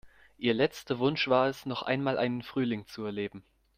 Ihr letzter Wunsch war es, noch einmal einen Frühling zu erleben.